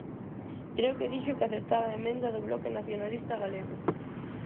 Creo que dixo que aceptaba a emenda do Bloque Nacionalista Galego.